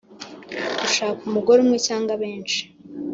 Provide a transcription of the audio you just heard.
gushaka umugore umwe cyangwa benshi?